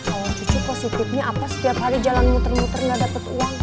awal cucu positifnya apa setiap hari jalan muter muter gak dapet uang